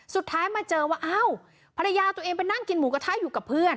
สุดท้ายมาเจอว่าอ้าวภรรยาตัวเองไปนั่งกินหมูกระทะอยู่กับเพื่อน